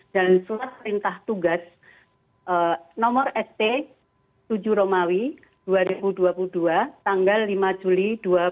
dan surat perintah tugas nomor sp tujuh romawi dua ribu dua puluh dua tanggal lima juli dua ribu dua puluh dua